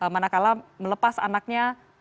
manakala melepas anaknya pergi atau datang ke rumah